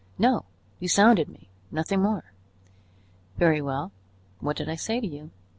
No, you sounded me, nothing more. Very well what did I say to you?